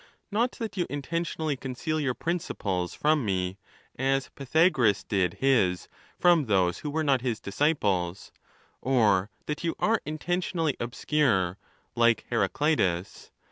Not that you intentionally conceal your principles from me, as Pythagoras did his from those who were not his disciples ; or that you are in tentionally obscure, like Heraclitiis.